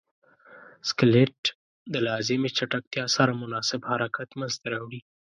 سکلیټ د لازمې چټکتیا سره مناسب حرکت منځ ته راوړي.